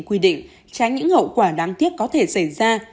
quy định tránh những hậu quả đáng tiếc có thể xảy ra